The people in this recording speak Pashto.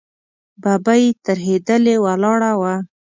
ببۍ ترهېدلې ولاړه وه.